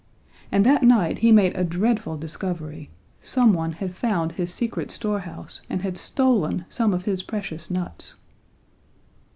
And that night he made a dreadful discovery some one had found his secret store house and had stolen some of his precious nuts.